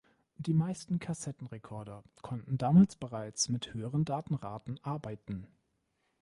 Die meisten Kassettenrekorder konnten damals bereits mit höheren Datenraten arbeiten.